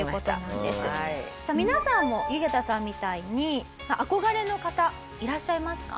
皆さんもユゲタさんみたいに憧れの方いらっしゃいますか？